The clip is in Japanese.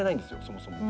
そもそも。